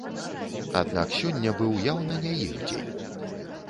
Аднак сёння быў яўна не іх дзень.